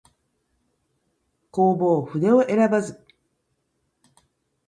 弘法筆を選ばず